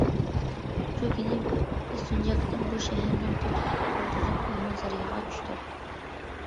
شۇ كۈنى بىز تۇنجى قېتىم بۇ شەھەرنىڭ تۆت يۇلتۇزلۇق مېھمانسارىيىغا چۈشتۇق.